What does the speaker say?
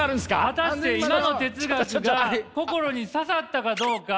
果たして今の哲学が心に刺さったかどうか？